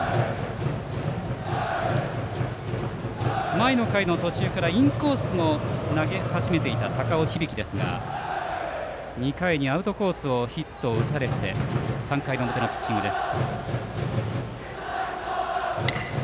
前の回の途中からインコースも投げ始めていた高尾響ですが、２回にアウトコースをヒットを打たれて３回の表のピッチングです。